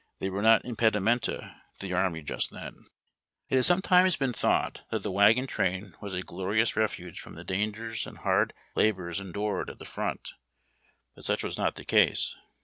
They were not impedimenta to the army just then. A RM r ]VAGO N 77? A INS. 365 It has sometimes been thought that the wagon train was a glorious refuge from the dangers and hard hibors endured at the front, but such was not the case.